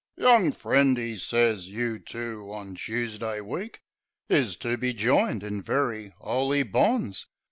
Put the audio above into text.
"Young friend," 'e sez, "you two on Choosday week. Is to be joined in very 'oly bonds.